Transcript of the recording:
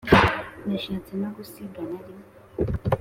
Nashatse no gusigana rimwe